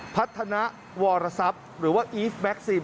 พัฒนาวรศัพท์หรือว่าอีฟแม็กซิมครับ